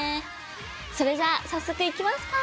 それじゃあ早速行きますか。